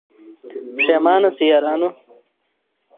پښېمانه سئ یارانو